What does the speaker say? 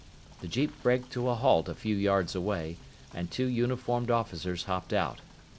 The jeep braked to a halt a few yards away, and two uniformed officers hopped out.